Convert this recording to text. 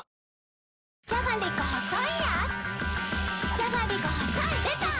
じゃがりこ細いやーつ